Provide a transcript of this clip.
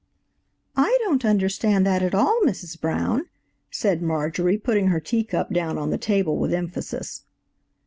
"I don't understand that at all, Mrs. Brown," said Marjorie, putting her teacup down on the table with emphasis.